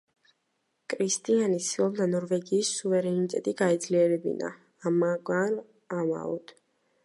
კრისტიანი ცდილობდა ნორვეგიის სუვერენიტეტი გაეძლიერებინა, მაგრამ ამაოდ.